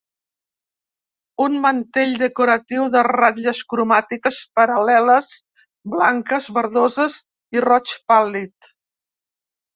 Un mantell decoratiu de ratlles cromàtiques paral·leles, blanques, verdoses i roig pàl·lid.